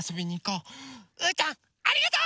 うーたんありがとう！